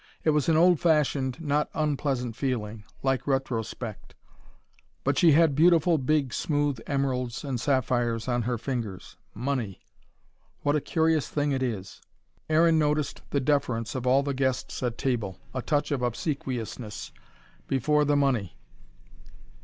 It was an old fashioned, not unpleasant feeling: like retrospect. But she had beautiful, big, smooth emeralds and sapphires on her fingers. Money! What a curious thing it is! Aaron noticed the deference of all the guests at table: a touch of obsequiousness: before the money!